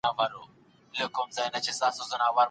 موږ به د ولور پر ځای سوغاتونه نه وروړو.